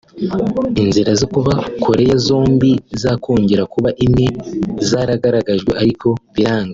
inzira zo kuba Korea zombi zakongera kuba imwe zarageragejwe ariko biranga